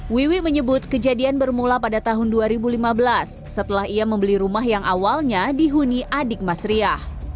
wiwi menyebut kejadian bermula pada tahun dua ribu lima belas setelah ia membeli rumah yang awalnya dihuni adik mas riah